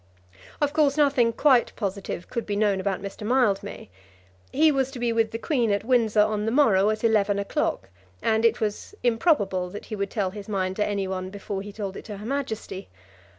Of course nothing quite positive could be known about Mr. Mildmay. He was to be with the Queen at Windsor on the morrow at eleven o'clock, and it was improbable that he would tell his mind to any one before he told it to her Majesty.